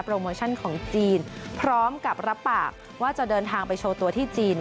โมชั่นของจีนพร้อมกับรับปากว่าจะเดินทางไปโชว์ตัวที่จีน